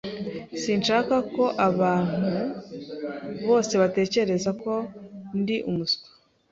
Sinshaka ko abantu bose batekereza ko ndi umuswa.